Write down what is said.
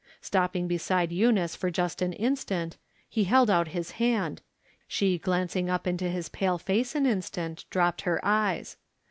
Stopping beside Eu nice for just an instant, he held out his hand ; she glancing up into his pale face an instant, dropped her eyes.